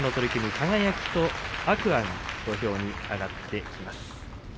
輝と天空海が土俵に上がってきます。